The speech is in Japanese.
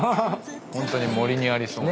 ホントに森にありそうな。